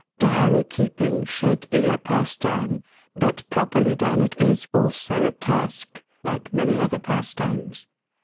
Diary keeping should be a pas time, but properly done it is also a task — ^like many other pastimes.